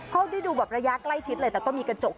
เขาได้ดูรายแล้วใกล้ชิดเลยแต่มีกระจกกัน